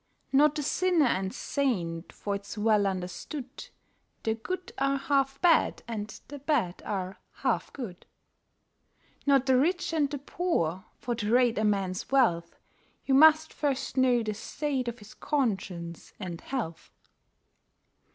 Not the sinner and saint, for it's well understood The good are half bad, and the bad are half good. Not the rich and the poor, for to rate a man's wealth You must first know the state of his conscience and health.